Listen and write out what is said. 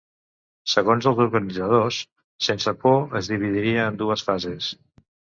Segons els organitzadors, Sense Por es dividiria en dues fases.